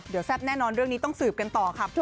เดี๋ยวแซ่บแน่นอนเรื่องนี้ต้องสืบกันต่อค่ะ